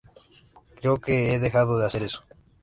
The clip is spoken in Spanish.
Creo que he dejado de hacer eso.